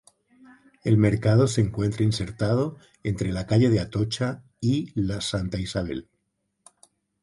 El mercado se encuentra insertado entre la calle de Atocha y la Santa Isabel.